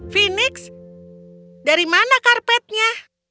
phoenix dari mana karpetnya